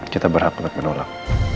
kita berhak tetap menolak